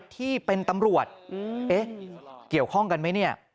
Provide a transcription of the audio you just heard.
ที่เป็นตำรวจเกี่ยวข้องกันไหม